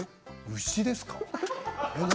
牛ですか？